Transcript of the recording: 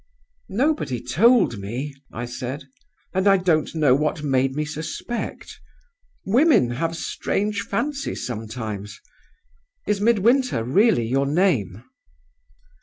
"'Nobody told me,' I said; 'and I don't know what made me suspect. Women have strange fancies sometimes. Is Midwinter really your name?